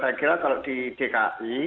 saya kira kalau di dki